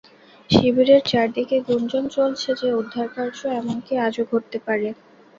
শিবিরের চারদিকে গুঞ্জন চলছে যে উদ্ধারকার্য এমনকি আজও ঘটতে পারে।